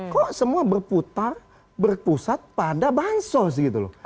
kok semua berputar berpusat pada bahan sos gitu loh